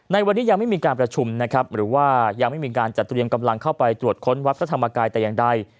ในวันนี้ยังไม่มีการประชุมนะครับหรือว่ายังไม่มีการจัดเตรียมกำลังเข้าไปตรวจค้นวัดพระธรรมกายแต่อย่างใด